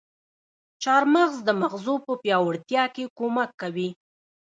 چارمغز د مغزو په پياوړتيا کې کمک کوي.